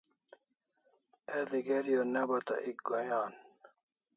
El'i geri o ne bata ek goi'n an